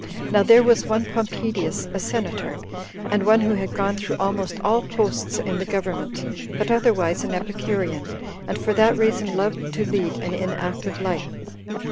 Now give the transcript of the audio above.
Now there was one Pompedius, a senator, and one who had gone through almost all posts in the government, but otherwise an Epicurean, and for that reason loved to lead an inactive life.